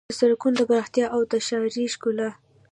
د سړکونو د پراختیا او د ښاري ښکلا